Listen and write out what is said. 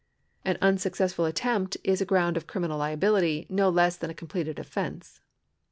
An un successful attempt is a ground of criminal liability, no less than a completed offence.